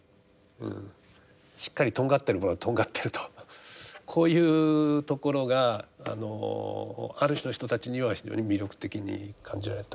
しっかりとんがってるものはとんがってるとこういうところがあのある種の人たちには非常に魅力的に感じられたと。